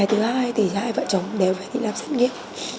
thứ hai thì hai vợ chồng đều phải đi làm xét nghiệm